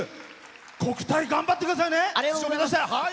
国体、頑張ってくださいね！